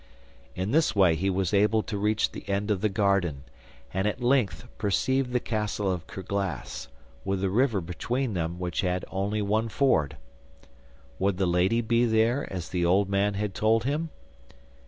In this way he was able to reach the end of the garden, and at length perceived the castle of Kerglas, with the river between them which had only one ford. Would the lady be there, as the old man had told him?